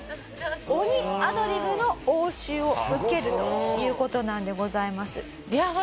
鬼アドリブの応酬を受けるという事なんでございます。